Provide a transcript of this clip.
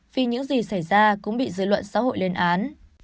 vì những gì xảy ra cũng bị dư luận xã hội lên án